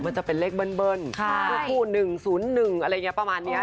มันจะเป็นเลขเบิ้ลคู่๑๐๑อะไรอย่างนี้ประมาณนี้